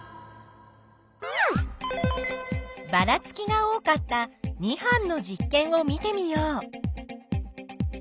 ばらつきが多かった２班の実験を見てみよう。